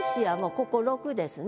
ここ６ですね。